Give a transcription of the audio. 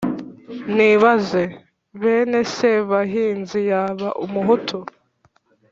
nibaze! bene sebahinzi yaba umuhutu,